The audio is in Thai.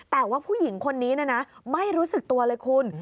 แต่ว่าผู้หญิงคนนี้ไม่รู้สึกตัวเลยคุณ